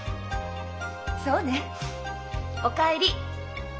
そうね。お帰り！